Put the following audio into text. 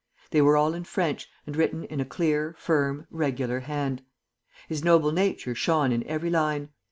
They were all in French, and written in a clear, firm, regular hand. His noble nature shone in every line.